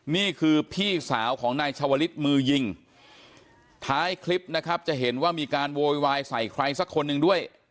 นี่คือพี่สาวของนายชาวลิศมือยิงท้ายคลิปนะครับจะเห็นว่ามีการโวยวายใส่ใครสักคนหนึ่งด้วย